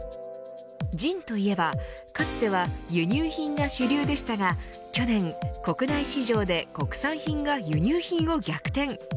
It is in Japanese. ジンといえばかつては輸入品が主流でしたが去年、国内市場で国産品が輸入品を逆転。